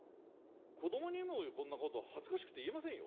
子どもにも、こんなこと恥ずかしくて言えませんよ。